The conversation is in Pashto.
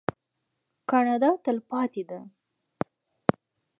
کاناډا تلپاتې ده.